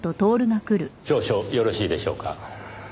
少々よろしいでしょうか？